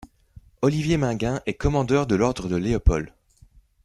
Olivier Maingain est Commandeur de l'Ordre de Léopold.